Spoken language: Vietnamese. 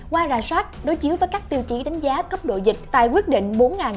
qua rà soát đối chiếu với các tiêu chí đánh giá cấp độ dịch tại quyết định bốn tám trăm linh